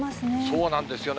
そうなんですよね。